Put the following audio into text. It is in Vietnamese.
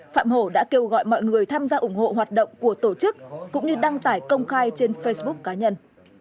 phạm hổ đã kêu gọi mọi người tham gia ủng hộ hoạt động của tổ chức cũng như đăng tải công khai trên facebook cá nhân